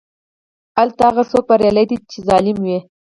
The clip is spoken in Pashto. هلته هغه څوک بریالی دی چې ظالم وي.